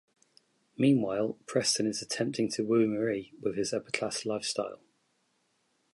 Meanwhile, Preston is attempting to woo Marie with his upper-class lifestyle.